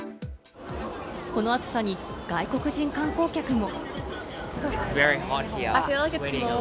この暑さに外国人観光客も。